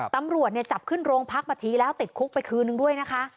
ตำรวจจับขึ้นโรงพักมาทีแล้วติดคุกไปคืนนึงด้วยนะคะ